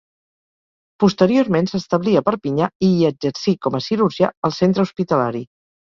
Posteriorment s'establí a Perpinyà i hi exercí com a cirurgià al centre hospitalari.